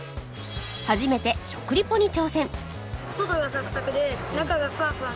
初めて食リポに挑戦！